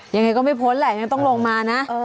ยังไงก็ไม่พ้นแหละยังต้องลงมานะ